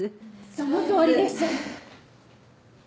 そのとおりです！